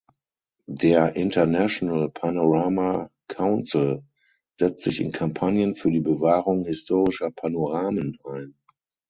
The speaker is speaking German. Der International Panorama Council setzt sich in Kampagnen für die Bewahrung historischer Panoramen ein.